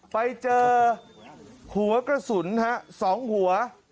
ไปเจอหัวกระสุน๒หัว